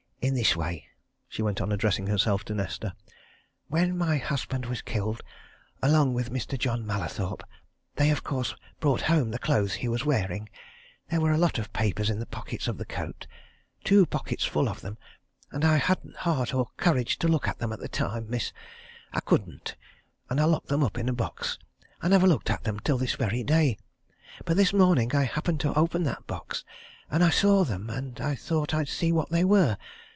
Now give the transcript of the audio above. In this way," she went on, addressing herself to Nesta. "When my husband was killed, along with Mr. John Mallathorpe, they, of course, brought home the clothes he was wearing. There were a lot of papers in the pockets of the coat two pockets full of them. And I hadn't heart or courage to look at them at that time, miss! I couldn't, and I locked them up in a box. I never looked at them until this very day but this morning I happened to open that box, and I saw them, and I thought I'd see what they were.